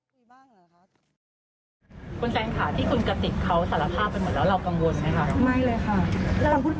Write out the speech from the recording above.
คุณแซนขาที่คุณกะติกเขาสารภาพไปหมดแล้วเรากังวลไหมคะ